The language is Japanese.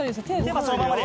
手はそのままで。